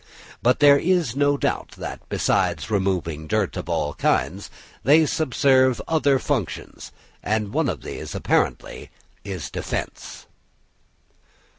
But there is no doubt that besides removing dirt of all kinds, they subserve other functions; and one of these apparently is defence.